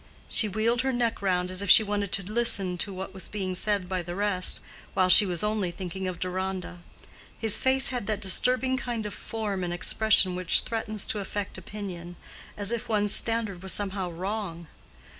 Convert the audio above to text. She wheeled her neck round as if she wanted to listen to what was being said by the rest, while she was only thinking of Deronda. His face had that disturbing kind of form and expression which threatens to affect opinion—as if one's standard was somehow wrong.